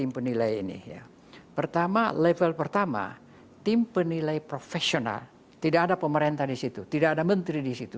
pertama level pertama tim penilai profesional tidak ada pemerintah disitu tidak ada menteri disitu